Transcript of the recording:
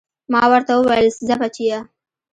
ما ورته وويل ځه بچيه.